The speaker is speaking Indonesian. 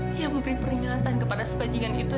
dia memberi peringatan kepada sepajingan itu